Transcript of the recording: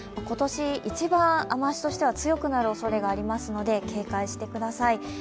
今年一番雨足としては強くなるおそれがありますので警戒してください。